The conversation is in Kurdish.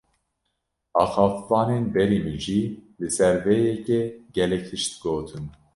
Axaftvanên berî min jî li ser vê yekê, gelek tişt gotin